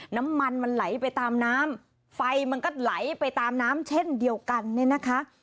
น้ำมันมันไหลไปตามน้ำไฟมันก็ไหลไปตามน้ำเช่นเดียวกันเนี่ยนะคะ